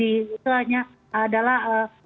itu hanya adalah